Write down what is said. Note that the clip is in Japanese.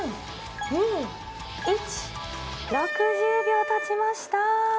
６０秒たちました。